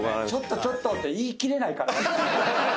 ちょっとちょっとって言い切れないから。